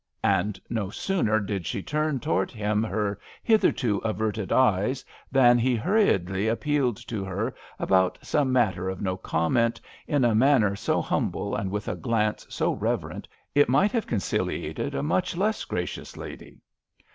And no sooner did she turn towards him her hitherto averted eyes than he hurriedly appealed to her about some matter of no moment, in a manner so humble and with a glance so reverent it might have conciliated a much less gracious lady.